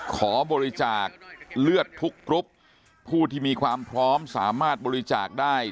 ขอบริจาคเลือดทุกกรุ๊ปผู้ที่มีความพร้อมสามารถบริจาคได้